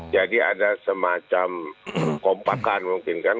jadi ada semacam kompakan mungkin kan